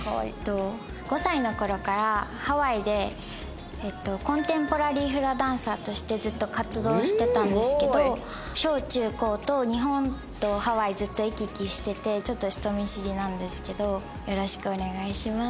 ５歳の頃からハワイでコンテンポラリーフラダンサーとしてずっと活動してたんですけど小中高と日本とハワイずっと行き来しててちょっと人見知りなんですけどよろしくお願いします。